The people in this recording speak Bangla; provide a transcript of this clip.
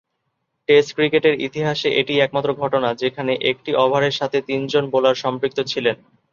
টেস্ট ক্রিকেটের ইতিহাসে এটিই একমাত্র ঘটনা, যেখানে একটি ওভারের সাথে তিনজন বোলার সম্পৃক্ত ছিলেন।